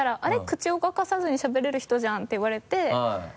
口動かさずにしゃべれる人じゃん」って言われて。